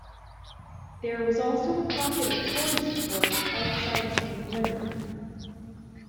There was also a pocket of Tory support outside Saint-Leonard.